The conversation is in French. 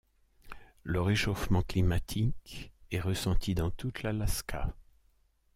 Le réchauffement climatique est ressenti dans toute l'Alaska.